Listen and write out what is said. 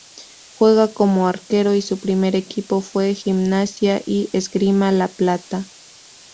Juega como arquero y su primer equipo fue Gimnasia y Esgrima La Plata.